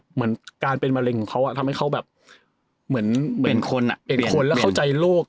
เหมือนการเป็นมะเร็งของเขาทำให้เขาแบบเหมือนคนเป็นคนแล้วเข้าใจโรค